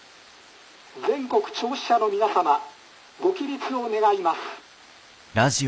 全国聴取者の皆様ご起立を願います」。